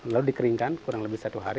lalu dikeringkan kurang lebih satu hari